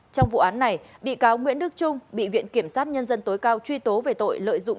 trong vụ án này bị cáo nguyễn đức trung bị viện kiểm sát nhân dân tối cao truy tố về tội lợi dụng